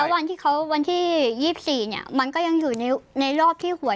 แล้ววันที่เขาวันที่ยี่สิบสี่เนี้ยมันก็ยังอยู่ในในรอบที่หวย